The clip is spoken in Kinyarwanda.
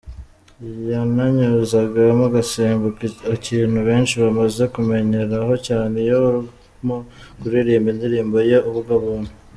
Yananyuzagamo agasimbuka, ikintu benshi bamaze kumumenyeraho cyane iyo arimo kuririmba indirimbo ye ‘Ubwo buntu’.